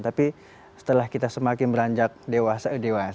tapi setelah kita semakin beranjak dewasa dewasa